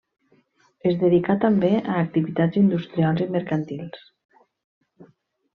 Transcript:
Es dedicà també a activitats industrials i mercantils.